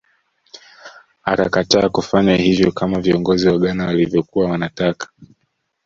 Akakataa kufanya hivyo kama viongozi wa Ghana walivyokuwa wanataka